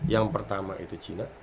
yang pertama itu china